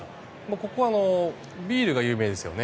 ここはビールが有名ですね。